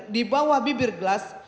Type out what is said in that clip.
di bawah bibir gelas